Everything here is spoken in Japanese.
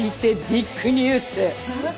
ビッグニュース！